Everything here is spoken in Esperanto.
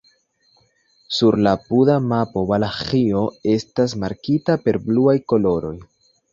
Sur la apuda mapo Valaĥio estas markita per bluaj koloroj.